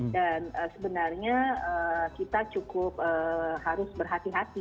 dan sebenarnya kita cukup harus berhati hati